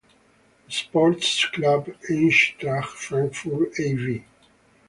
The sports club Eintracht Frankfurt e.V.